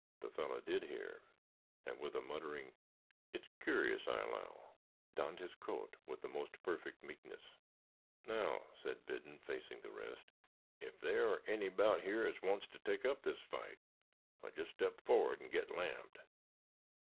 The fellow did hear, and with a muttering, "It's cu'rous, I allow," donned his coat with the most perfect meekness. "Now," said Biddon facing the rest, "if thar are any 'bout yer as wants to take up this fout, why jist step forward and get lammed."